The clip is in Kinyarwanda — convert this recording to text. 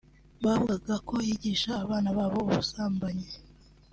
bavugaga ko yigisha abana babo ubusambanyi